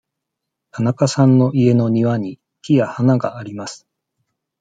田中さんの家の庭に木や花があります。